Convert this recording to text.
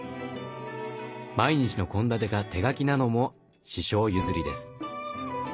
毎日の献立が手書きなのも師匠ゆずりです。